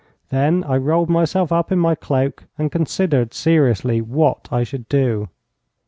Then I rolled myself up in my cloak and considered seriously what I should do.